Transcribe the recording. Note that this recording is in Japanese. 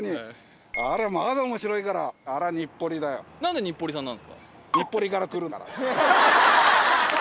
何で日暮里さんなんですか？